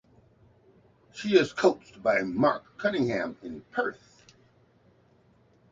She is coached by Mark Cunningham in Perth.